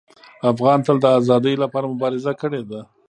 افغان تل د ازادۍ لپاره مبارزه کړې ده.